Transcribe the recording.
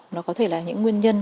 nó có thể là những nguyên nhân